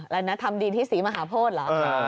และนัทธรรมดีที่สีมหาโพธิเหรอ